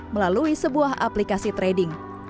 melalui sebuah aplikasi trading